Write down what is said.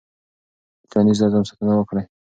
د ټولنیز نظم ساتنه وکړه.